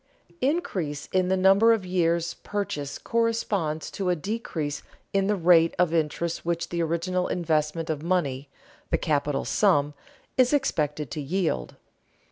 Increase in the number of years' purchase corresponds to a decrease in the rate of interest which the original investment of money, the capital sum, is expected to yield.